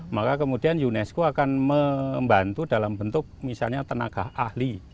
maka kemudian unesco akan membantu dalam bentuk misalnya tenaga ahli